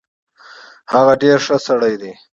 هغه ډیر خه سړی دی